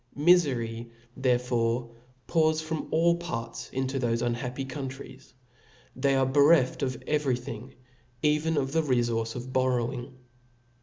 Miiery therefore pours in from ail parts into thofe unhappy countries i they are bereft of every thing, even of the refource of borrowing.